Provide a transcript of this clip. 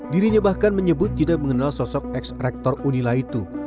dirinya bahkan menyebut tidak mengenal sosok ex rektor unila itu